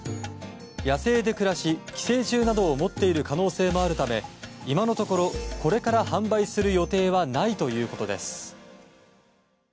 野生で暮らし寄生虫などを持っている可能性もあるため、今のところこれから販売する予定はないということです。